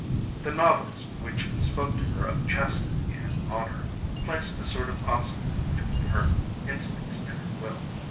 The novels, which spoke to her of chastity and honour, placed a sort of obstacle between her instincts and her will.